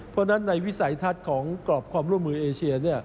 เพราะฉะนั้นในวิสัยทัศน์ของกรอบความร่วมมือเอเชีย